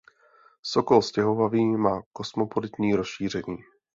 Sokol stěhovavý má kosmopolitní rozšíření.